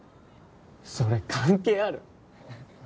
それ関係ある？